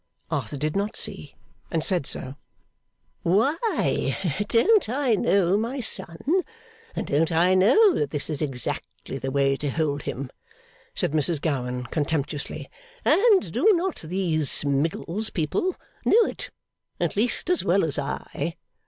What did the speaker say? Arthur did not see; and said so. 'Why, don't I know my son, and don't I know that this is exactly the way to hold him?' said Mrs Gowan, contemptuously; 'and do not these Miggles people know it, at least as well as I?